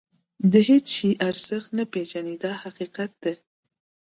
د هېڅ شي ارزښت نه پېژني دا حقیقت دی.